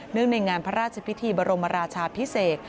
ในงานพระราชพิธีบรมราชาพิเศษ